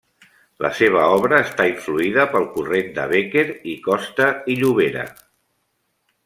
La seva obra està influïda pel corrent de Bécquer i Costa i Llobera.